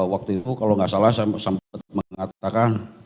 waktu itu kalau gak salah saya sambil mengatakan